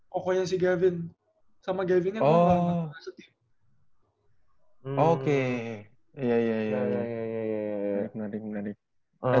pokoknya si gavin sama gavinnya gue sama satu tim